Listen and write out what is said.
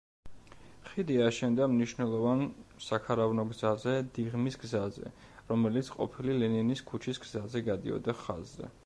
ხიდი აშენდა მნიშვნელოვან საქარავნო გზაზე „დიღმის გზაზე“, რომელიც ყოფილი ლენინის ქუჩის გზაზე გადიოდა ხაზზე.